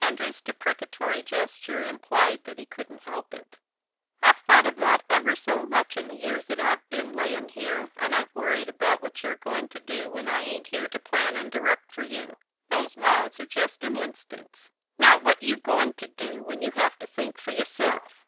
Andrew's deprecatory gesture implied that he couldn't help it. "I've thought of that ever so much in the years that I've ben layin' here, and I've worried about what you're goin' to do when I ain't here to plan and direct for you. Those moths are jest an instance. Now, what you goin' to do when you have to think for yourself?"